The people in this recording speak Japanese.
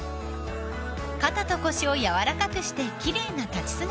［肩と腰を柔らかくして奇麗な立ち姿］